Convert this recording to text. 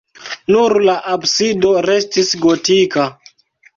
Nur la absido restis gotika.